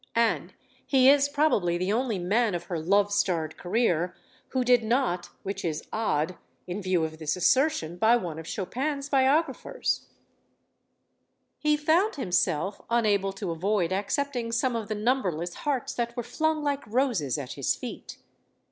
And he is probably the only man of her love starred career who did not which is odd, in view of this assertion by one of Chopin's biographers: He found himself unable to avoid accepting some of the numberless hearts that were flung like roses at his feet.